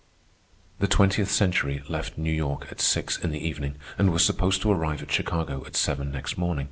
The Twentieth Century left New York at six in the evening, and was supposed to arrive at Chicago at seven next morning.